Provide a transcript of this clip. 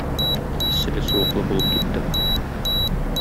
Эсселе-суыклы булып киттем.